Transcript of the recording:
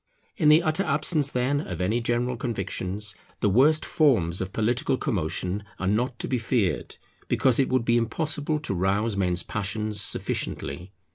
In the utter absence, then, of any general convictions, the worst forms of political commotion are not to be feared, because it would be impossible to rouse men's passions sufficiently.